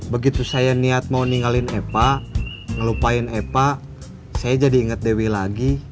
begitu saya niat mau ninggalin epa ngelupain epa saya jadi ingat dewi lagi